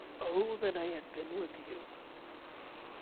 Oh that I had been with you!